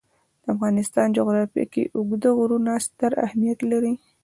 د افغانستان جغرافیه کې اوږده غرونه ستر اهمیت لري.